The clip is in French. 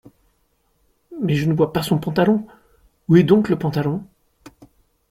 Mais je ne vois pas son pantalon !… où est donc le pantalon ?…